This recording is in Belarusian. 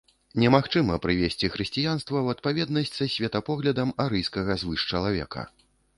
Немагчыма прывесці хрысціянства ў адпаведнасць са светапоглядам арыйскага звышчалавека.